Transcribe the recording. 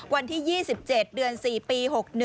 วันที่๒๗เดือน๔ปี๖๑